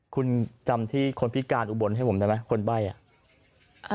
คุณจำที่คนพิการอุบลให้ผมได้ไหมคนใบ้อ่ะ